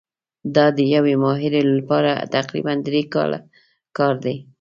دا د یوې ماهرې لپاره تقریباً درې کاله کار دی.